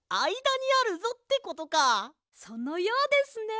そのようですね。